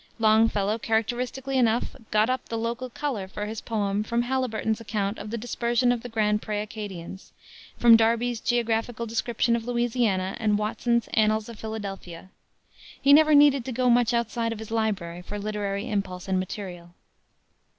Longfellow, characteristically enough, "got up" the local color for his poem from Haliburton's account of the dispersion of the Grand Pré Acadians, from Darby's Geographical Description of Louisiana and Watson's Annals of Philadelphia. He never needed to go much outside of his library for literary impulse and material.